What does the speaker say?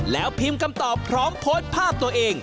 แล้วพิมพ์คำตอบพร้อมโพสต์ภาพตัวเอง